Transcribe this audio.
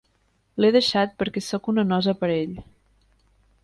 L'he deixat perquè soc una nosa per a ell.